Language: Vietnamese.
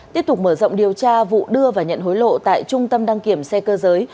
tiếp tục mở rộng điều tra vụ đưa và nhận hối lộ tại trung tâm đăng kiểm xe cơ giới